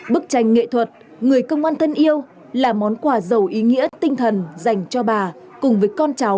bức tranh nghệ thuật người công an thân yêu là món quà giàu ý nghĩa tinh thần dành cho bà cùng với con cháu trong dịp tết năm nay